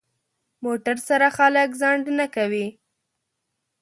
موټر سره خلک ځنډ نه کوي.